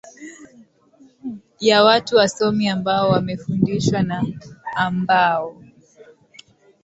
ya watu wasomi ambao wamefundishwa na ambao